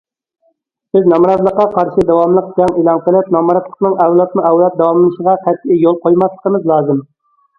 بىز نامراتلىققا قارشى داۋاملىق جەڭ ئېلان قىلىپ، نامراتلىقنىڭ ئەۋلادمۇئەۋلاد داۋاملىشىشىغا قەتئىي يول قويماسلىقىمىز لازىم.